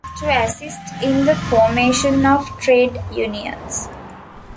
To assist in the formation of trade unions.